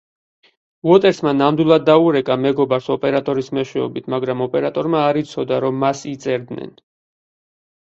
უოტერსმა ნამდვილად დაურეკა მეგობარს ოპერატორის მეშვეობით, მაგრამ ოპერატორმა არ იცოდა, რომ მას იწერდნენ.